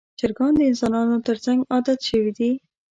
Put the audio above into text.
چرګان د انسانانو تر څنګ عادت شوي دي.